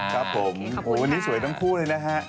ครับผมวันนี้สวยทั้งคู่เลยนะฮะ